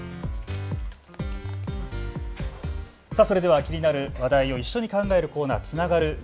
それでは気になる話題を一緒に考えるコーナー、つながる。